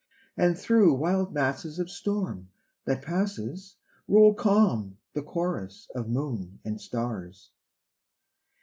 And through wild masses of storm, that passes, Roll calm the chorus of moon and stars.